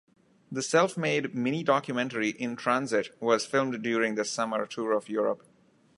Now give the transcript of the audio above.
The self-made mini-documentary "In Transit" was filmed during the summer tour of Europe.